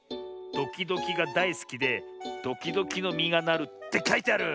「ドキドキがだいすきでドキドキのみがなる」ってかいてある！